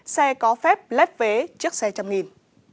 xe có phép lét vé trước xe trăm nghìn